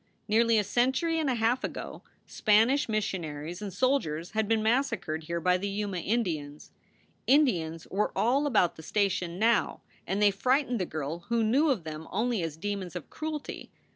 Nearly a century and a half ago Spanish missionaries and soldiers had been massacred here by the Yuma Indians. Indians were all about the station now, and they frightened the girl who knew of them only as demons of cruelty.